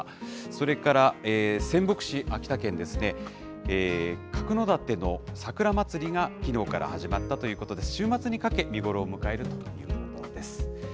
それから仙北市、秋田県ですね、角館の桜まつりがきのうから始まったということで、週末にかけ、見頃を迎えるということです。